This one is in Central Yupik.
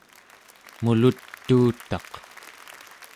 mulut'uutaq